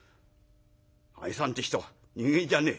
兄さんって人は人間じゃねえ。